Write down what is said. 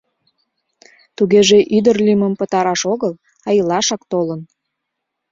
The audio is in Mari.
Тугеже ӱдыр лӱмым пытараш огыл, а илашак толын.